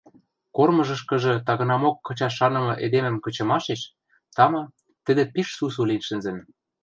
Кормыжышкыжы тагынамок кычаш шанымы эдемӹм кычымашеш, тама, тӹдӹ пиш сусу лин шӹнзӹн.